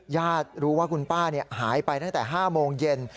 ญาติรู้ว่าคุณป้าหายไปตั้งแต่๕โมงเย็น